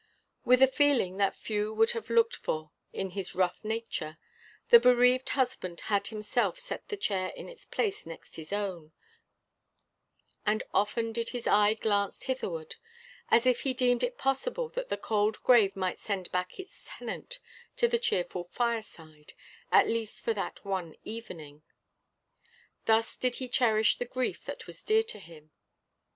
With a feeling that few would have looked for in his rough nature, the bereaved husband had himself set the chair in its place next his own; and often did his eye glance hitherward, as if he deemed it possible that the cold grave might send back its tenant to the cheerful fireside, at least for that one evening. Thus did he cherish the grief that was dear to him.